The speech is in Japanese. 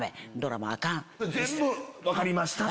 全部「分かりました」。